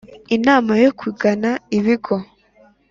inama yo kugana ibigo